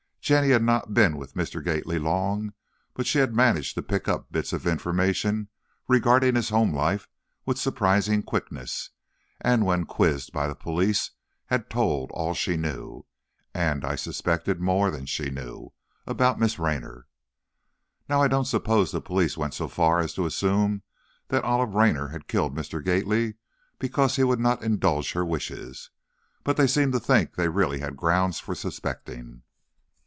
Jenny had not been with Mr. Gately long, but she had managed to pick up bits of information regarding his home life with surprising quickness, and when quizzed by the police had told all she knew, and, I suspected, more than she knew, about Miss Raynor. Now, I don't suppose the police went so far as to assume that Olive Raynor had killed Mr. Gately because he would not indulge her wishes, but they seemed to think they really had grounds for suspecting.